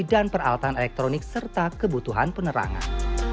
dan peralatan elektronik serta kebutuhan penerangan